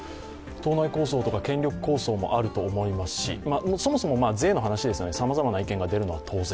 党内抗争とか権力抗争もある度思いますしそもそも税の話ですのでさまざまな意見が出るのは当然。